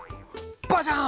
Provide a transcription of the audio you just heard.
バシャン！